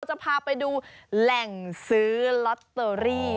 จะพาไปดูแหล่งซื้อลอตเตอรี่